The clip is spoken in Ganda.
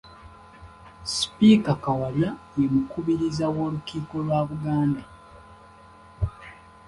Sipiika Kawalya ye mukubiriza w’Olukiiko lwa Buganda.